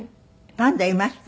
パンダいました？